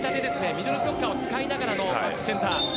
ミドルブロッカーを使いながらのバックセンター。